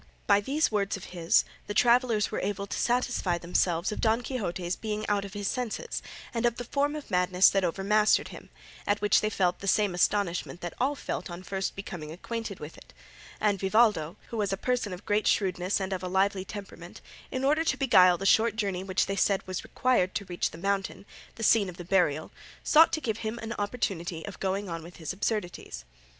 By these words of his the travellers were able to satisfy themselves of Don Quixote's being out of his senses and of the form of madness that overmastered him, at which they felt the same astonishment that all felt on first becoming acquainted with it; and Vivaldo, who was a person of great shrewdness and of a lively temperament, in order to beguile the short journey which they said was required to reach the mountain, the scene of the burial, sought to give him an opportunity of going on with his absurdities.